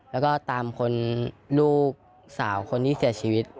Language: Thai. แล้วก็ตามคนลูกสาวคนที่เสียชีวิต